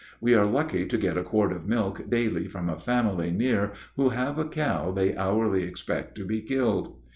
We are lucky to get a quart of milk daily from a family near who have a cow they hourly expect to be killed.